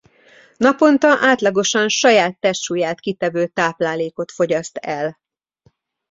Naponta átlagosan saját testsúlyát kitevő táplálékot fogyaszt el.